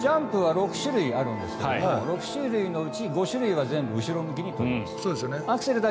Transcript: ジャンプは６種類あるんですけど６種類のうち５種類は全部後ろ向きに飛びます。